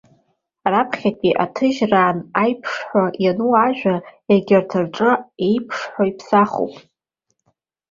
Раԥхьатәи аҭыжьраан аиԥш ҳәа иану ажәа, егьырҭ рҿы еиԥш ҳәа иԥсахуп.